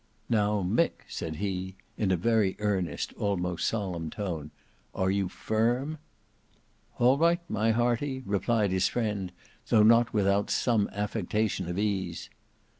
"Now, Mick," said he, in a very earnest, almost solemn tone, "are you firm?" "All right, my hearty," replied his friend, though not without some affectation of ease.